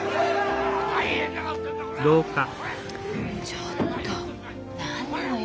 ちょっと何なのよ